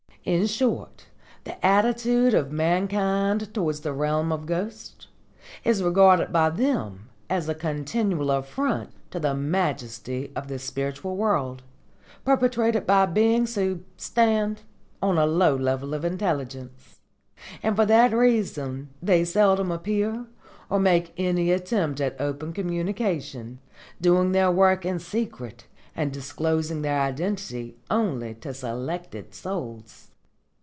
In short, the attitude of mankind towards the realm of ghosts is regarded by them as a continual affront to the majesty of the spiritual world, perpetrated by beings who stand on a low level of intelligence; and for that reason they seldom appear or make any attempt at open communication, doing their work in secret and disclosing their identity only to selected souls.